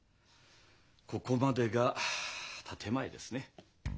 ここまでが建て前ですね。